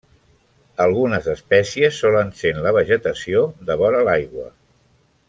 Algunes espècies solen ser en la vegetació de vora l'aigua.